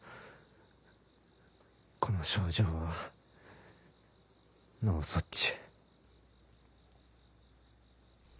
この症状は脳卒中。